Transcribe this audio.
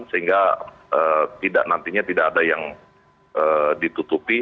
sehingga nantinya tidak ada yang ditutupi